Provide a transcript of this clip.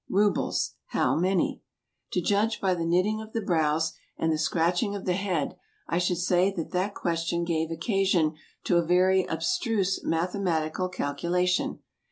" Rubles. How many ?" To judge by the knitting of the brows and the scratch ing of the head, I should say that that question gave occa sion to a very abstruse mathematical calculation.